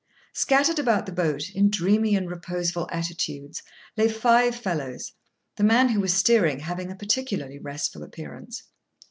Scattered about the boat, in dreamy and reposeful attitudes, lay five fellows, the man who was steering having a particularly restful appearance.